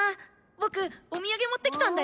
僕お土産持ってきたんだよ！